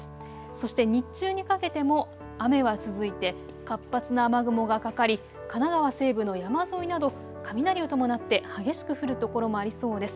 そして日中にかけても雨は続いて活発な雨雲がかかり神奈川西部の山沿いなど雷を伴って激しく降る所もありそうです。